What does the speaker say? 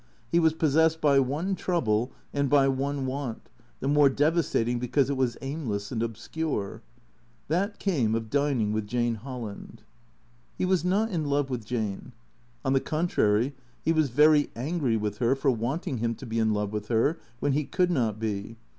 He was possessed by one trouble and by one want, the more devastating because it was aimless and obscure. That came of dining with Jane Holland. He was not in love with Jane. On the contrary, he was very angry with her for wanting him to be in love with her when he could not be.